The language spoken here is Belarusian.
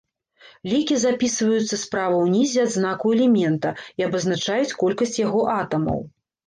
Лікі запісваюцца справа ўнізе ад знаку элемента і абазначаюць колькасць яго атамаў.